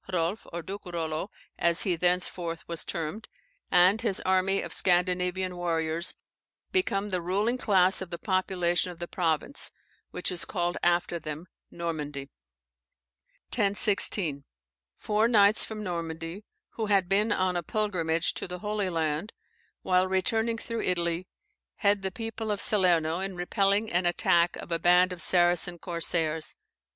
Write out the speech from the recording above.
Hrolf (or Duke Rollo, as he thenceforth was termed) and his army of Scandinavian warriors, become the ruling class of the population of the province, which is called after them Normandy. 1016. Four knights from Normandy, who had been on a pilgrimage to the Holy Land, while returning through Italy, head the people of Salerno in repelling an attack of a band of Saracen corsairs.